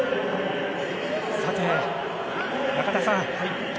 さて、中田さん。